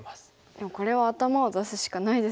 でもこれは頭を出すしかないですよね。